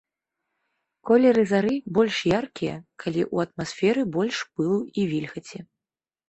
Колеры зары больш яркія, калі ў атмасферы больш пылу і вільгаці.